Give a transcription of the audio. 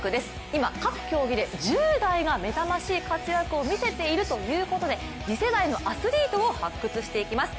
今、各競技で１０代がめざましい活躍を見せているということで次世代のアスリートを発掘していきます。